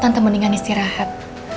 tante mendingan istirahat